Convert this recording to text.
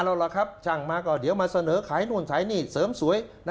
เอาล่ะครับช่างมาก็เดี๋ยวมาเสนอขายนู่นขายนี่เสริมสวย